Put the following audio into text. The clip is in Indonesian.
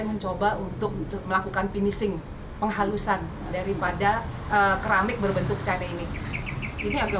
mencoba untuk melakukan finishing penghalusan daripada keramik berbentuk care ini ini agak